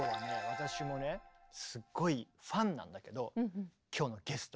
私もねすごいファンなんだけど今日のゲスト。